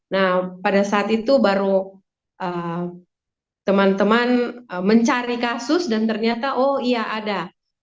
nah pada saat itu baru teman teman mencari kasus dan ternyata oh iya ada